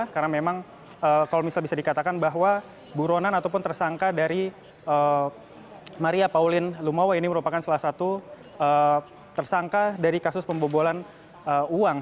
karena memang kalau bisa dikatakan bahwa buronan ataupun tersangka dari maria pauline lumawa ini merupakan salah satu tersangka dari kasus pembobolan uang